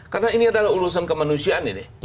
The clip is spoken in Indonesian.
karena ini adalah urusan kemanusiaan ini